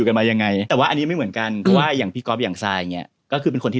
แต่อย่างอันนี้คือถือว่าเป็นเพื่อนใหม่